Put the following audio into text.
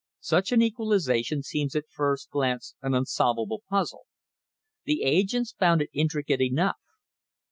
Such an equalisation seems at first glance an unsolvable puzzle. The agents found it intricate enough.